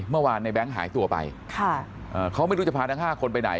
เมื่อวานในแง๊งหายตัวไปเขาไม่รู้จะพาทั้ง๕คนไปไหน